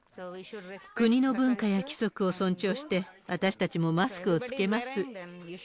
国の文化や規則を尊重して、私たちもマスクを着けます。